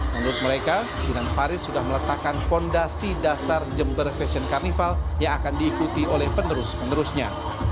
menurut mereka dinan faris sudah meletakkan fondasi dasar gfc yang akan diikuti oleh penerus penerusnya